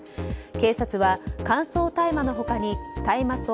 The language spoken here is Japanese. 警察は乾燥大麻の他に大麻草